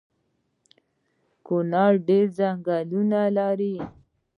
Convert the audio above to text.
کونړ ډیر ځنګلونه لري